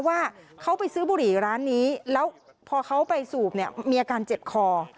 ว่าเขาไปซื้อบุหรี่ร้านนี้แล้วพอเขาไปสูบเนี่ยมีอาการเจ็บคอ